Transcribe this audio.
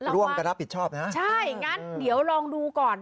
ร่วมกันรับผิดชอบนะใช่งั้นเดี๋ยวลองดูก่อน